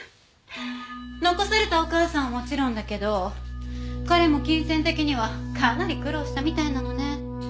残されたお義母さんはもちろんだけど彼も金銭的にはかなり苦労したみたいなのね。